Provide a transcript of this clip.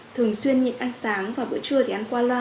thường xuyên nhịn ăn sáng và bữa trưa thì ăn qua loa